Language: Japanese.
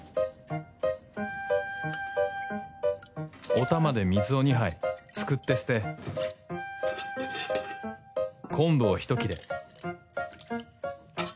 おたまで水を２杯すくって捨て昆布を１切れ